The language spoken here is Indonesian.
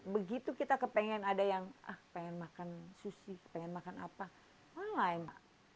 begitu kita kepengen ada yang ah pengen makan sushi pengen makan apa main